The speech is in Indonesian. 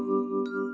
terima kasih yoko